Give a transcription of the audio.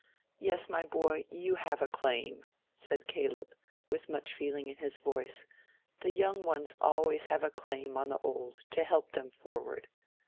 "Yes, my boy, you have a claim," said Caleb, with much feeling in his voice. "The young ones have always a claim on the old to help them forward.